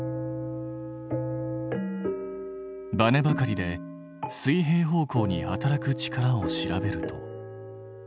バネばかりで水平方向に働く力を調べると。